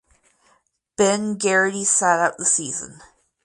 Ben Garrity sat out the season.